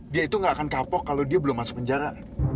dia itu nggak akan kapok kalau dia belum masuk penjara